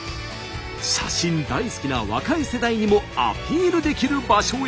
写真大好きな若い世代にもアピールできる場所へ。